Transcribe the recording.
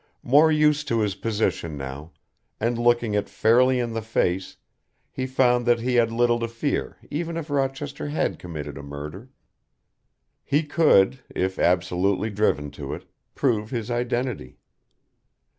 More used to his position now, and looking it fairly in the face, he found that he had little to fear even if Rochester had committed a murder. He could, if absolutely driven to it, prove his identity.